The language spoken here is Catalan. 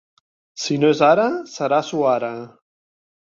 Si no és ara, serà suara.